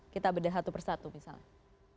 kita bedah satu persatu misalnya